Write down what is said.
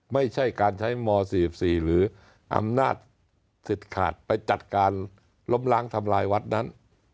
ไม่ใช่การใช้ม๔๔หรืออำนาจสิทธิ์ขาดไปจัดการล้มล้างทำลายวัดนั้น